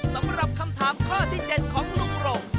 สำหรับคำถามข้อที่๗ของลุงรง